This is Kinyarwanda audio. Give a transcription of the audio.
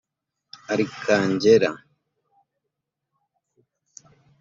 Arkangela